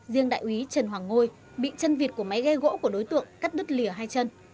riêng đại úy trần hoàng ngôi bị chân vịt của máy ghe gỗ của đối tượng cắt đứt lìa hai chân